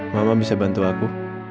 mama bisa bantu aku